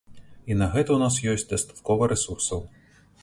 І на гэта ў нас ёсць дастаткова рэсурсаў.